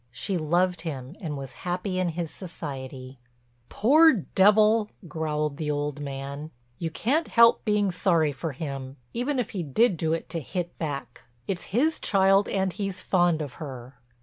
She loved him and was happy in his society. "Poor devil!" growled the old man. "You can't help being sorry for him, even if he did do it to hit back. It's his child and he's fond of her."